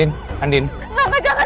jangan deketin aku jangan